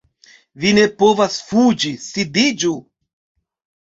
Vi ne povas fuĝi, sidiĝu